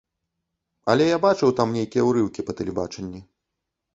Але я бачыў там нейкія ўрыўкі па тэлебачанні.